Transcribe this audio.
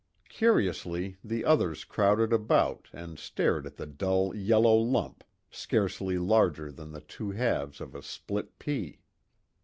Curiously the others crowded about and stared at the dull yellow lump scarcely larger than the two halves of a split pea.